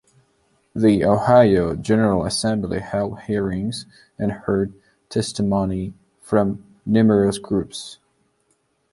The Ohio General Assembly held hearings and heard testimony from numerous groups.